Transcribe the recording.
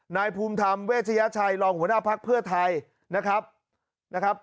นายภูมิธรรมเวชยชัยรองหัวหน้าภักดิ์เพื่อไทยนะครับนะครับ